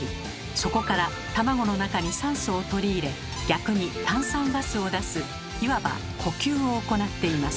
そこから卵の中に酸素を取り入れ逆に炭酸ガスを出すいわば呼吸を行っています。